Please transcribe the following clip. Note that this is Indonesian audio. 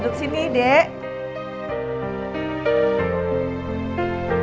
duduk sini dek